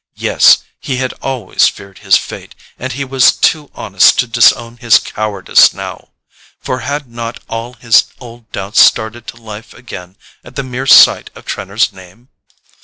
Yes—he had always feared his fate, and he was too honest to disown his cowardice now; for had not all his old doubts started to life again at the mere sight of Trenor's name?